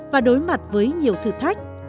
và đối mặt với nhiều thử thách